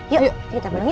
yuk kita pulang ya